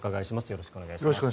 よろしくお願いします。